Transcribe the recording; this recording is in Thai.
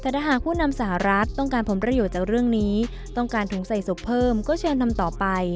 แต่ถ้าหากผู้นำสหรัฐต้องการผลประโยชน์จากเรื่องนี้ต้องการถุงใส่ศพเพิ่มก็เชิญนำต่อไป